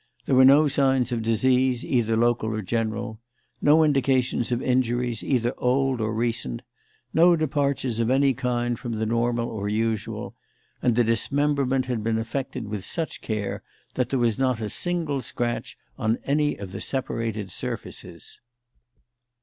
There were no signs of disease either local or general, no indications of injuries either old or recent, no departures of any kind from the normal or usual; and the dismemberment had been effected with such care that there was not a single scratch on any of the separated surfaces.